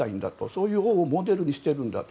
そういう王をモデルにしてるんだと。